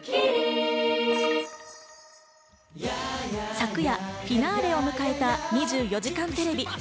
昨夜、フィナーレを迎えた『２４時間テレビ』。